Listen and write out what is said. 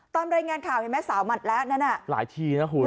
ตามรายงานข่าวเห็นไหมสาวหมัดแล้วนั่นอ่ะหลายทีนะคุณ